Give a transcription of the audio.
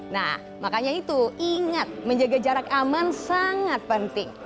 nah makanya itu ingat menjaga jarak aman sangat penting